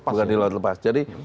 bukan di laut lepas